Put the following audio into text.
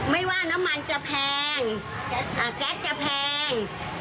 ไม่ว่าน้ำมันจะแพงแก๊สจะแพง